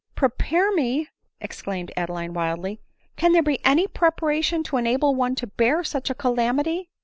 " Prepare me !" exclaimed Adeline wildly. " Can there be any preparation to enable one to bear such a calamity